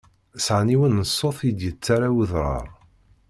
Sɛant yiwen n ṣṣut i d-yettarra udrar.